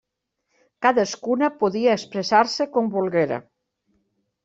Cadascuna podia expressar-se com volguera.